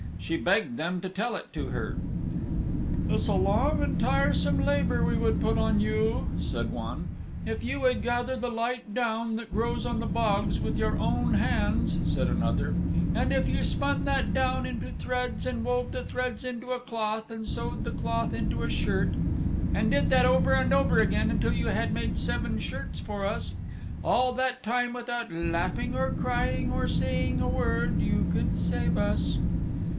She begged them to tell it to her. "It's a long and a tiresome labor we would put on you," said one. "If you would gather the light down that grows on the bogs with your own hands," said another, "and if you spun that down into threads, and wove the threads into a cloth and sewed the cloth into a shirt, and did that over and over again until you had made seven shirts for us, all that time without laughing or crying or saying a word, you could save us.